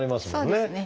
そうですね。